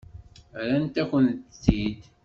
Rrant-akent-t-id.